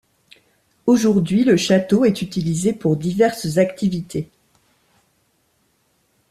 Aujourd'hui, le château est utilisé pour diverses activités.